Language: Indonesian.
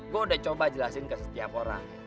gue udah coba jelasin ke setiap orang